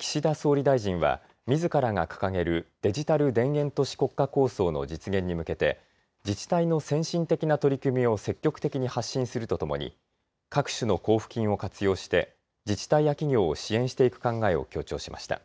岸田総理大臣はみずからが掲げるデジタル田園都市国家構想の実現に向けて自治体の先進的な取り組みを積極的に発信するとともに各種の交付金を活用して自治体や企業を支援していく考えを強調しました。